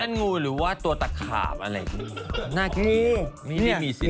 งูหรือว่าตัวตะขาบอะไรอย่างนี้